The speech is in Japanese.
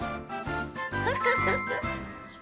フフフフ。